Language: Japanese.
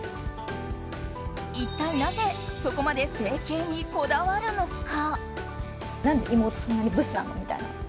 一体なぜそこまで整形にこだわるのか。